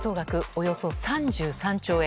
およそ３３兆円。